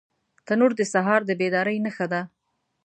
تنور د سهار د بیدارۍ نښه ده